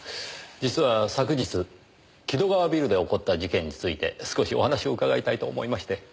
実は昨日きどがわビルで起こった事件について少しお話を伺いたいと思いまして。